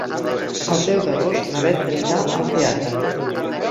El deu d'agost na Beth anirà al teatre.